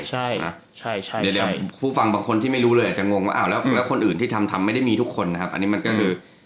เดี๋ยวผู้ฟังบางคนที่ไม่รู้เลยอาจจะงงว่าอ้าวแล้วคนอื่นที่ทำไม่ได้มีทุกคนนะครับ